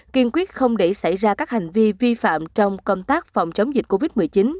kiên quyết không để xảy ra các hành vi vi phạm trong công tác phòng chống dịch covid một mươi chín